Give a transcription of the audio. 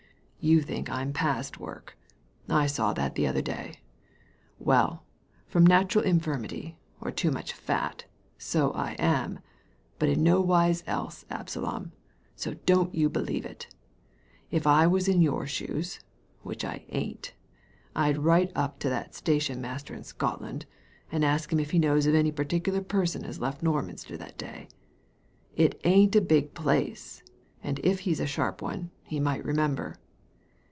You think I'm past work. I saw that the other day. Well, from nat'ral infirmity, or too much fat, so I am ; but in nowise else, Absalom, so don't you believe it If I was in your shoes, which I ain't, I'd write up to that station master in Scotland, and ask him if he knows of any particler person as left Norminster on that day. It ain't a big place, and if he's a sharp one he might remember."